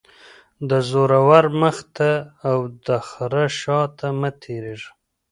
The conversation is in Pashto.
- د زورور مخ ته او دخره شاته مه تیریږه.